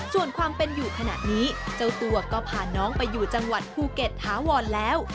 ส่วนความเป็นอยู่ขนาดนี้เจ้าตัวก็พาน้องไปอยู่จังหวัดภูเก็ตถาวรแล้ว